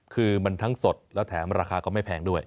คือมันทั้งสดแล้วแถมราคาก็ไม่แพงด้วย